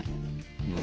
うん。